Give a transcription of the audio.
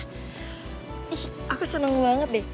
ih aku seneng banget deh